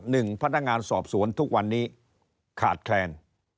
หนึ่งพนักงานสอบสวนทุกวันนี้ขาดแคลน